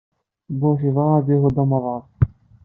Bush yebɣa ad iḥudd amaḍal.